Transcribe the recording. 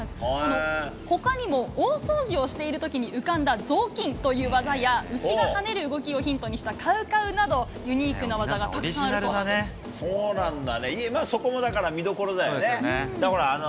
ほかにも大掃除をしているときに浮かんだぞうきんという技や、牛が跳ねる動きをヒントにしたカウカウなど、ユニークな技がたくさんあるそうなんです。